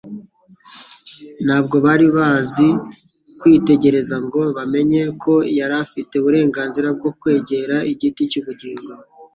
Ntabwo bari bazi kwitegereza ngo bamenye ko yari afite uburenganzira bwo kwegera igiti cy'ubugingo,